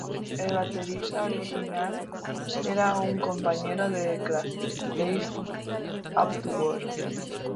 El baterista original era un compañero de clase, Dave Atwood.